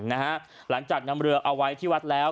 หลังจากนำเรือเอาไว้ที่วัดแล้ว